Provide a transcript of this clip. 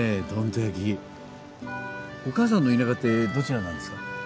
どんと焼きお母さんの田舎ってどちらなんですか？